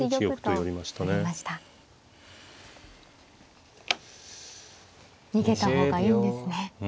逃げた方がいいんですね。